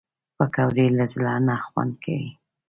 پکورې له زړه نه خوند کوي